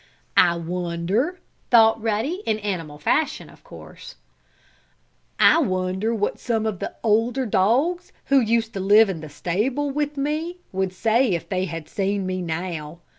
"I wonder," thought Ruddy, in animal fashion, of course, "I wonder what some of the older dogs who used to live in the stable with me would say if they had seen me now?